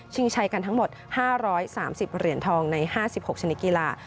ใช้กันทั้งหมด๕๓๐เหรียญทองใน๕๖ชนิดกีฬา